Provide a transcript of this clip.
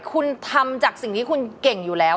คุณทำจากสิ่งที่คุณเก่งอยู่แล้ว